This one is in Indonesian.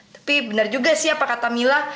tapi benar juga sih apa kata mila